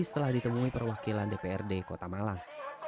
setelah ditemui perwakilan dprd kota malang